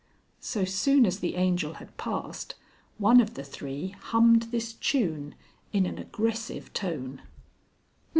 So soon as the Angel had passed, one of the three hummed this tune in an aggressive tone.